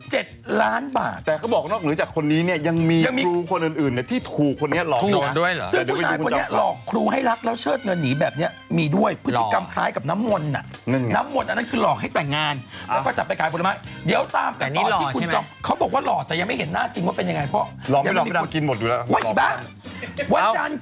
หลังจากจดทะเบียนก็ปุ๊บก็ไม่ได้อยู่ด้วยกันเลย